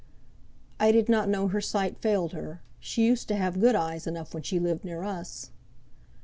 "I did not know her sight had failed her; she used to have good eyes enough when she lived near us."